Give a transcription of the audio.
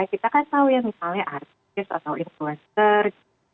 kita kan tahu ya misalnya artis atau influencer